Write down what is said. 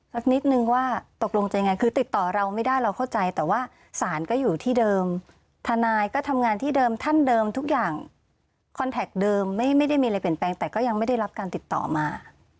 สักนิดนึงว่าตกลงจะยังไงคือติดต่อเราไม่ได้เราเข้าใจแต่ว่าศาลก็อยู่ที่เดิมทนายก็ทำงานที่เดิมท่านเดิมทุกอย่างคอนแท็กเดิมไม่ได้มีอะไรเปลี่ยนแปลงแต่ก็ยังไม่ได้รับการติดต่อมา